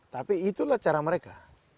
tapi itulah cara mereka